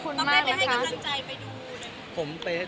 ต้องได้บินให้กำลังใจไปดูด้วย